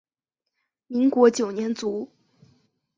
民国九年卒。